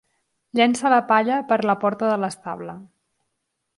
Llença la palla per la porta de l'estable.